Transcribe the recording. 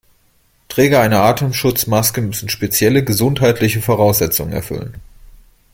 Träger einer Atemschutzmaske müssen spezielle gesundheitliche Voraussetzungen erfüllen.